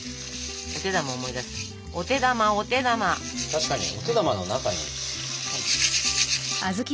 確かにお手玉の中に。